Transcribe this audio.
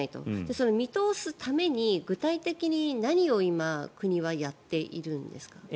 その見通すために具体的に何を今、国はやっているんですか。